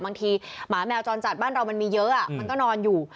หมาแมวจรจัดบ้านเรามันมีเยอะมันก็นอนอยู่